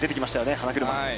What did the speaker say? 花車。